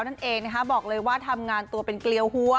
นั่นเองนะคะบอกเลยว่าทำงานตัวเป็นเกลียวหัว